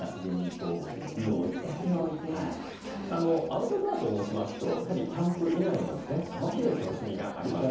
アウトドアと申しますとやはりキャンプ以外にもですね幅広い楽しみがあります。